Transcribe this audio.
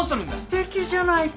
すてきじゃないか。